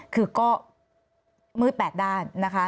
คือก็มืด๘ด้านนะคะ